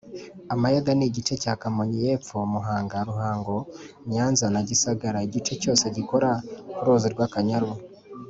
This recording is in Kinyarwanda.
Amayaga Ni igice cya Kamonyi y’epfo, Muhanga , Ruhango, Nyanza na Gisagara( ni igice cyose gikora ku ruzi rwa Kanyaru